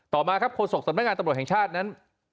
มาครับโฆษกสำนักงานตำรวจแห่งชาตินั้น